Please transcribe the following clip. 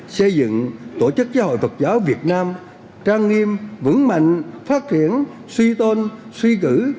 xây dựng tổ chức giáo hội phật giáo việt nam trang nghiêm vững mạnh phát triển suy tôn suy cử